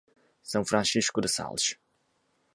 São Francisco de Sales